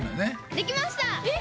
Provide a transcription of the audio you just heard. できました！